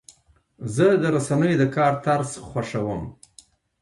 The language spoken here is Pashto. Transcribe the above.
زه د رسنیو د کار طرز خوښوم.